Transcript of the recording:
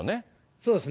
そうですね。